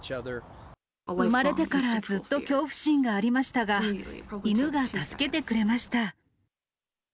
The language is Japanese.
生まれてからずっと恐怖心がありましたが、犬が助けてくれました。